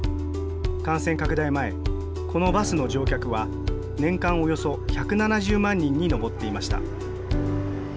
感染拡大前、このバスの乗客は年間およそ１７０万人に上っていました。